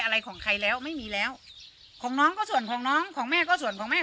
อะไรของใครแล้วไม่มีแล้วของน้องก็ส่วนของน้องของแม่ก็ส่วนของแม่